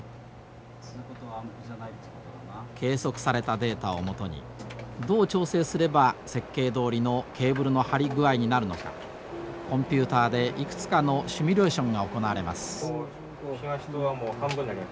計測されたデータを基にどう調整すれば設計どおりのケーブルの張り具合になるのかコンピューターでいくつかのシミュレーションが行われます。